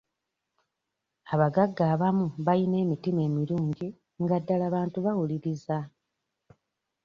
Abagagga abamu bayina emitima emirungi nga ddala bantu bawuliriza.